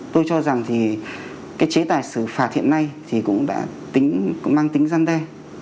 tôi cho rằng thì cái chế tài xử phạt hiện nay thì cũng mang tính gian đe